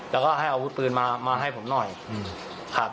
แล้วก็ให้อาวุธปืนมาให้ผมหน่อยครับ